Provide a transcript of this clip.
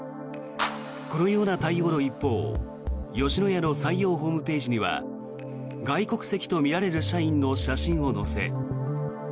このような対応の一方吉野家の採用ホームページには外国籍とみられる社員の写真を載せ。